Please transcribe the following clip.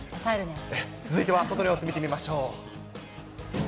続いては、外の様子見てみましょう。